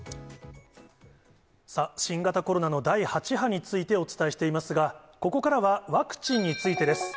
さあ、新型コロナの第８波についてお伝えしていますが、ここからは、ワクチンについてです。